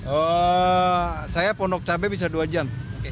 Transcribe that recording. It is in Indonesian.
oh saya pondok cabai bisa dua jam